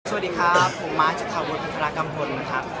สวัสดีครับผมมาร์ทเจธาวุทธ์พัทรากรรมศนนะครับ